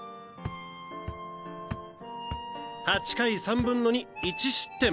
８回３分の２１失点！